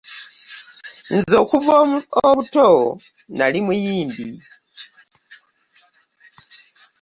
Nze okuva obuto nali muyimbi.